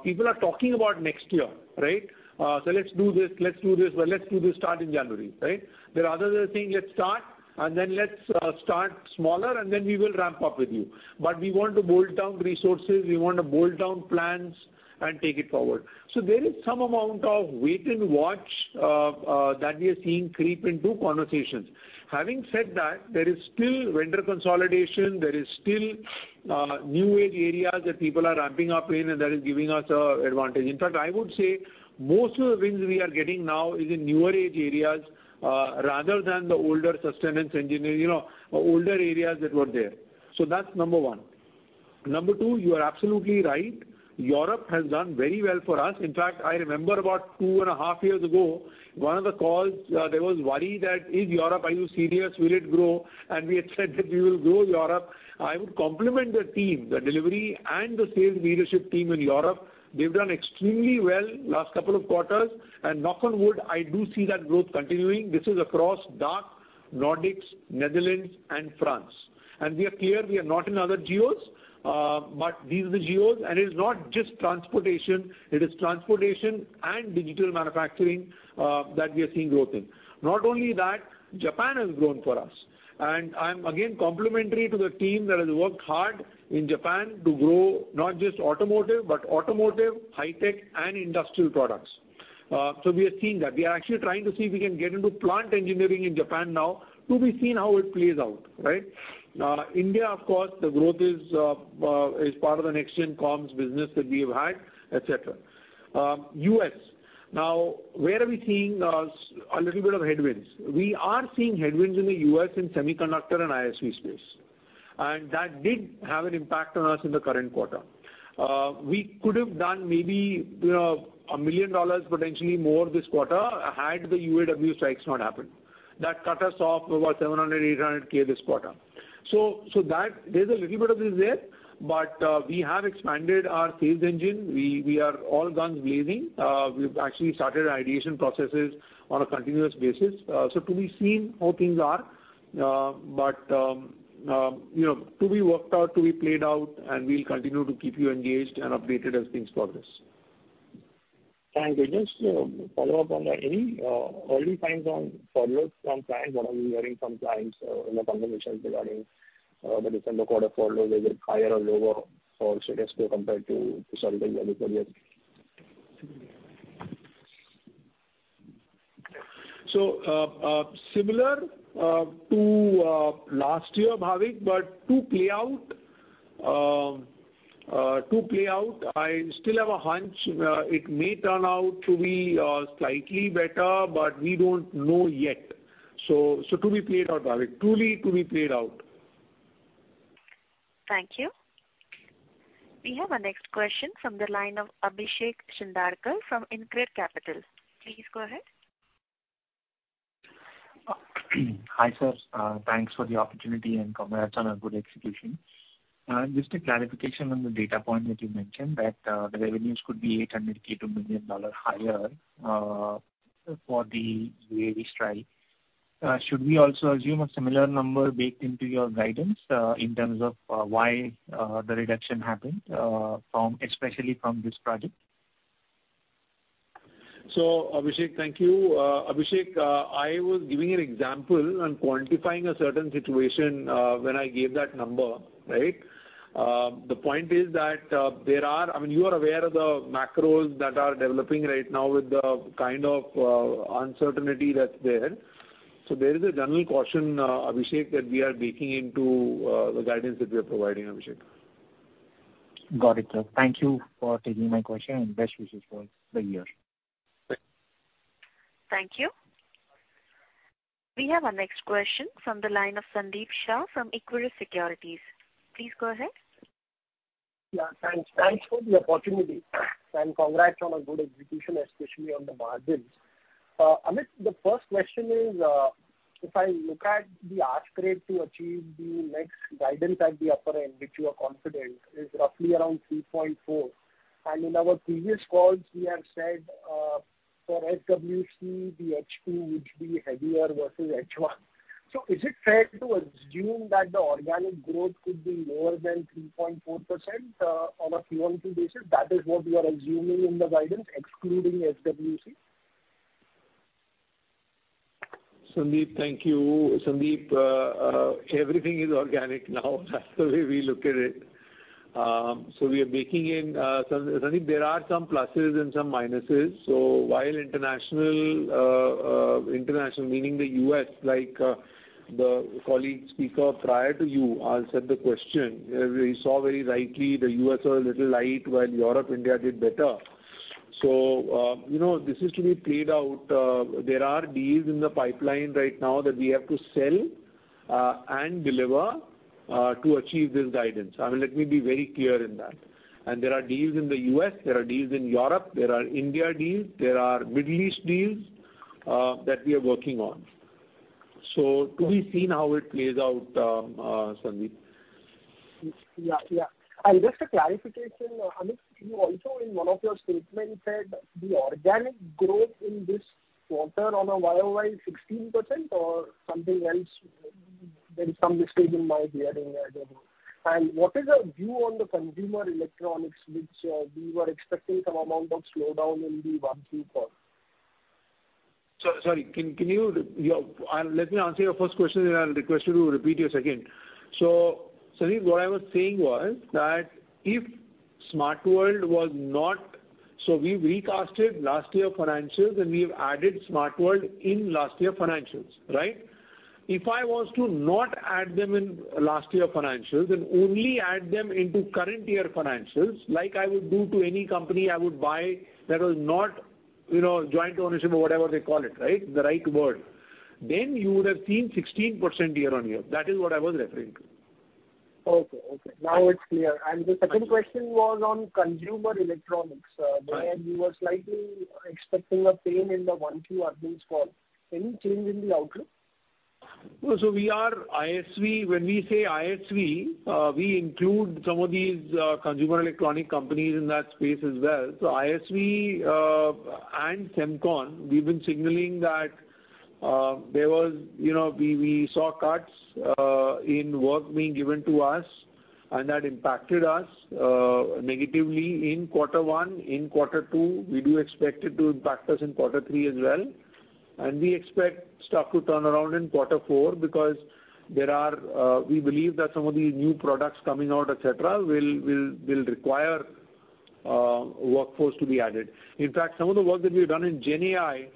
People are talking about next year, right? "So let's do this, let's do this, but let's do this start in January," right? There are others are saying, "Let's start, and then let's, start smaller, and then we will ramp up with you. But we want to bolt down resources, we want to bolt down plans and take it forward." So there is some amount of wait and watch, that we are seeing creep into conversations. Having said that, there is still vendor consolidation, there is still, new age areas that people are ramping up in, and that is giving us a advantage. In fact, I would say most of the wins we are getting now is in newer age areas, rather than the older sustenance engineering, you know, older areas that were there. So that's number 1. Number 2, you are absolutely right. Europe has done very well for us. In fact, I remember about 2.5 years ago, one of the calls, there was worry that, "In Europe, are you serious? Will it grow?" And we had said that we will grow Europe. I would compliment the team, the delivery and the sales leadership team in Europe. They've done extremely well last couple of quarters, and knock on wood, I do see that growth continuing. This is across DACH, Nordics, Netherlands, and France. We are clear we are not in other geos, but these are the geos. It is not just Transportation, it is Transportation and Digital Manufacturing that we are seeing growth in. Not only that, Japan has grown for us. I'm again complimentary to the team that has worked hard in Japan to grow not just Automotive, but Automotive, High Tech, and Industrial Products. So we are seeing that. We are actually trying to see if we can get into Plant Engineering in Japan now. To be seen how it plays out, right? India, of course, the growth is part of the NextGen Comms business that we have had, et cetera. US, now where are we seeing a little bit of headwinds? We are seeing headwinds in the US in semiconductor and ISV space, and that did have an impact on us in the current quarter. We could have done maybe, you know, $1 million potentially more this quarter, had the UAW strikes not happened. That cut us off about $700,000-$800,000 this quarter. So that there's a little bit of this there, but we have expanded our sales engine. We are all guns blazing. We've actually started ideation processes on a continuous basis. So, to be seen how things are, but, you know, to be worked out, to be played out, and we'll continue to keep you engaged and updated as things progress. Thanks. And just to follow up on that, any early signs on follow-up from clients, what are we hearing from clients in the conversations regarding the December quarter follow, whether higher or lower for compared to the previous years? So, similar to last year, Bhavik, but to play out, to play out, I still have a hunch, it may turn out to be slightly better, but we don't know yet. So, so to be played out, Bhavik. Truly to be played out. Thank you. We have our next question from the line of Abhishek Shindadkar from InCred Capital. Please go ahead. Hi, sir. Thanks for the opportunity and congrats on a good execution. Just a clarification on the data point that you mentioned, that the revenues could be $800K-$1 million higher for the UAW strike. Should we also assume a similar number baked into your guidance in terms of why the reduction happened from, especially from this project? So, Abhishek, thank you. Abhishek, I was giving an example on quantifying a certain situation, when I gave that number, right? The point is that, there are... I mean, you are aware of the macros that are developing right now with the kind of, uncertainty that's there. So there is a general caution, Abhishek, that we are baking into, the guidance that we are providing, Abhishek. Got it, sir. Thank you for taking my question, and best wishes for the year. Thank you. We have our next question from the line of Sandeep Shah from Equirus Securities. Please go ahead. Yeah, thanks. Thanks for the opportunity, and congrats on a good execution, especially on the margins. Amit, the first question is, if I look at the growth rate to achieve the next guidance at the upper end, which you are confident, is roughly around 3.4. And in our previous calls, we have said, for SWC, the H2 would be heavier versus H1. So is it fair to assume that the organic growth could be lower than 3.4%, on a Q1, Q2 basis? That is what you are assuming in the guidance, excluding SWC? Sandeep, thank you. Sandeep, everything is organic now. That's the way we look at it. So we are baking in, Sandeep, there are some pluses and some minuses. So while international, international, meaning the US, like, the colleague speaker prior to you asked the question, we saw very rightly, the US was a little light, while Europe, India did better. So, you know, this is to be played out. There are deals in the pipeline right now that we have to sell, and deliver, to achieve this guidance. I mean, let me be very clear in that. And there are deals in the US, there are deals in Europe, there are India deals, there are Middle East deals, that we are working on. So to be seen how it plays out, Sandeep. Yeah, yeah. And just a clarification, Amit, you also in one of your statements said the organic growth in this quarter on a YOY 16% or something else, there is some mistake in my hearing, I don't know. And what is your view on the consumer electronics, which we were expecting some amount of slowdown in the Q1 call? Let me answer your first question, and I'll request you to repeat your second. So Sandeep, what I was saying was that if Smart World was not so we recast last year financials, and we've added Smart World in last year financials, right? If I was to not add them in last year financials and only add them into current year financials, like I would do to any company I would buy, that was not, you know, joint ownership or whatever they call it, right? The right word. Then you would have seen 16% year-on-year. That is what I was referring to. Okay. Okay, now it's clear. And the second question was on consumer electronics. Right. -where you were slightly expecting a pain in the Q1 advance call. Any change in the outlook? So we are ISV. When we say ISV, we include some of these consumer electronic companies in that space as well. So ISV and semicon, we've been signaling that there was, you know, we saw cuts in work being given to us. And that impacted us negatively in quarter one, in quarter two. We do expect it to impact us in quarter three as well, and we expect staff to turn around in quarter four because there are—we believe that some of the new products coming out, et cetera, will require workforce to be added. In fact, some of the work that we've done in GenAI,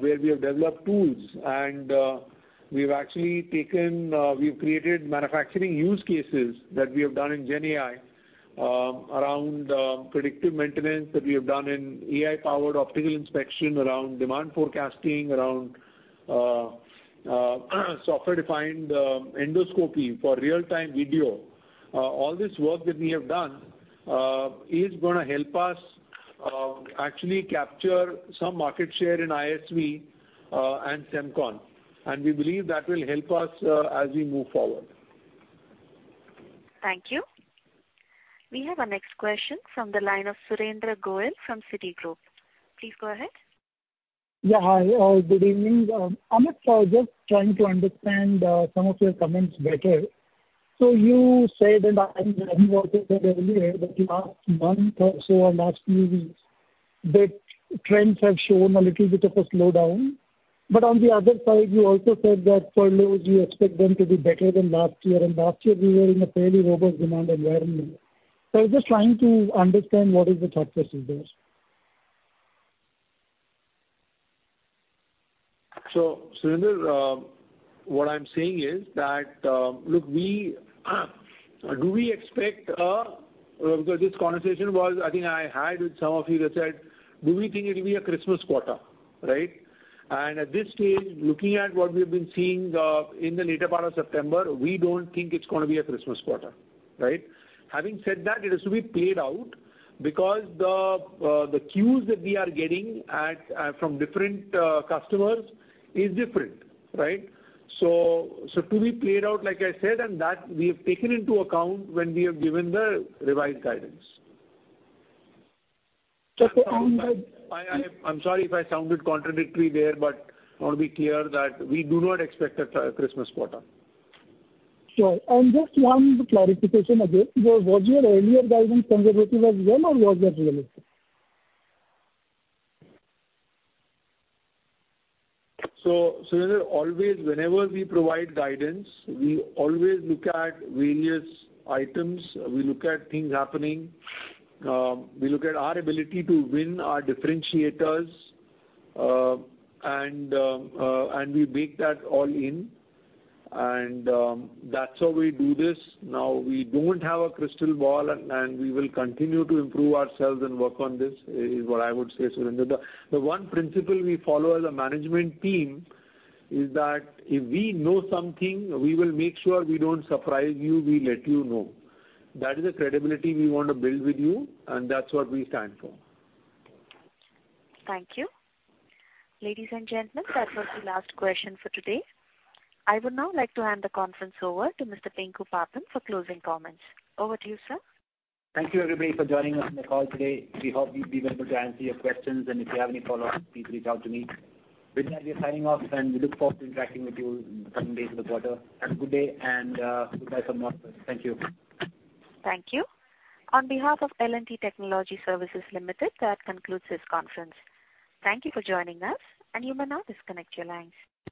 where we have developed tools and, we've actually taken, we've created manufacturing use cases that we have done in GenAI, around predictive maintenance, that we have done in AI-powered optical inspection, around demand forecasting, around software-defined endoscopy for real-time video. All this work that we have done is going to help us actually capture some market share in ISV and semicon, and we believe that will help us as we move forward. Thank you. We have our next question from the line of Surendra Goyal from Citigroup. Please go ahead. Yeah, hi, good evening. Amit, I was just trying to understand some of your comments better. So you said, and I think earlier that the last month or so or last few weeks, that trends have shown a little bit of a slowdown. But on the other side, you also said that furloughs, you expect them to be better than last year, and last year we were in a fairly robust demand environment. So I was just trying to understand what is the thought process there? So, Surendra, what I'm saying is that, look, we, do we expect because this conversation was, I think I had with some of you that said, "Do we think it will be a Christmas quarter?" Right? And at this stage, looking at what we've been seeing, in the later part of September, we don't think it's going to be a Christmas quarter, right? Having said that, it has to be played out because the, the cues that we are getting at, from different, customers is different, right? So, so to be played out, like I said, and that we have taken into account when we have given the revised guidance. Okay, and the- I'm sorry if I sounded contradictory there, but I want to be clear that we do not expect a Christmas quarter. Sure. And just one clarification again. Was your earlier guidance conservative as well, or was that realistic? So, Surendra, always, whenever we provide guidance, we always look at various items. We look at things happening, we look at our ability to win our differentiators, and we bake that all in, and that's how we do this. Now, we don't have a crystal ball, and we will continue to improve ourselves and work on this, is what I would say, Surendra. The one principle we follow as a management team is that if we know something, we will make sure we don't surprise you, we let you know. That is the credibility we want to build with you, and that's what we stand for. Thank you. Ladies and gentlemen, that was the last question for today. I would now like to hand the conference over to Mr. Pinku Pappan for closing comments. Over to you, sir. Thank you, everybody, for joining us on the call today. We hope we've been able to answer your questions, and if you have any follow-up, please reach out to me. With that, we are signing off, and we look forward to interacting with you in coming days of the quarter. Have a good day and goodbye from us. Thank you. Thank you. On behalf of L&T Technology Services Limited, that concludes this conference. Thank you for joining us, and you may now disconnect your lines.